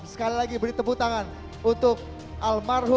sekali lagi beri tepuk tangan untuk almarhum